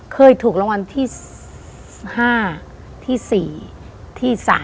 เคยถูกรางวัลที่๕ที่๔ที่๓